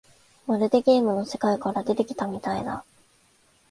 まるでゲームの世界から出てきたみたいだ